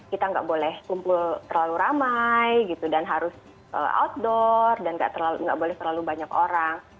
kita nggak boleh kumpul terlalu ramai gitu dan harus outdoor dan nggak boleh terlalu banyak orang